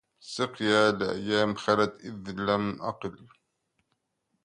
سقيا لأيام خلت إذ لم أقل